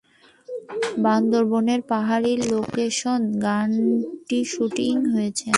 বান্দরবানের পাহাড়ি লোকেশনে গানটির শুটিং হয়েছে।